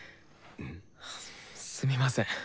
すみません。